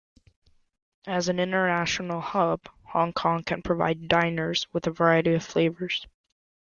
As an international hub, Hong Kong can provide diners with a variety of flavours.